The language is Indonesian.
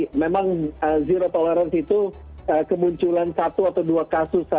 jadi memang zero tolerance itu kemunculan satu atau dua kasus saja